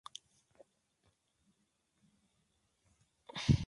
Dwight y sus ocho hermanos crecieron en la Iglesia Unitaria.